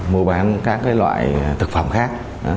mùa bán các loại thực phẩm khác